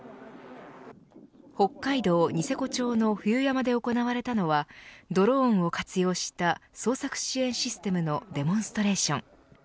北海道、ニセコ町の冬山で行われたのはドローンを活用した捜索支援システムのデモンストレーション。